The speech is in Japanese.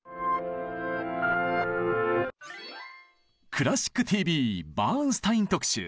「クラシックＴＶ」バーンスタイン特集。